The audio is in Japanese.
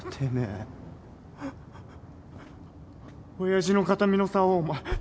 親父の形見のさおをお前。